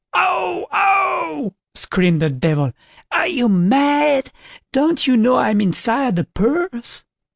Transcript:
"AU! AU!" screamed the Devil, "are you mad? don't you know I'm inside the purse?"